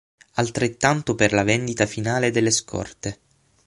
Altrettanto per la vendita finale delle scorte.